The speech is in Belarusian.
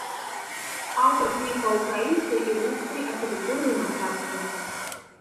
Аўтар кніг па ўкраінскай і рускай архітэктуры і мастацтве.